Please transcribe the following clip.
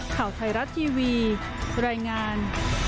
ข่าวไทยรัฐทีวีรายงาน